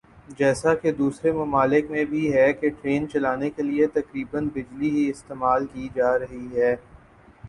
جیسا کہ دوسرے ممالک میں بھی ہے کہ ٹرین چلانے کیلئے تقریبا بجلی ہی استعمال کی جارہی ھے